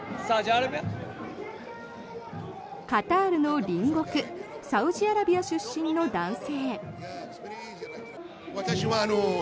カタールの隣国サウジアラビア出身の男性。